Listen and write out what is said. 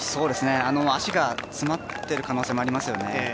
足が詰まっている可能性もありますよね。